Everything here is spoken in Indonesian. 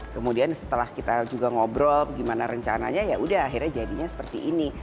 kemudian setelah kita juga ngobrol gimana rencananya yaudah akhirnya jadinya seperti ini